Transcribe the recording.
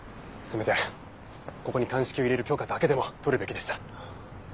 せめてここに鑑識を入れる許可だけでも取るべきでした。